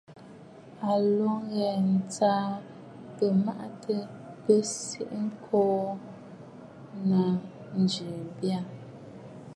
À lǒ ŋghɛ̀ɛ̀ ǹtsaʼa bɨ̂mâtaà bi sii ŋko naà ji baà.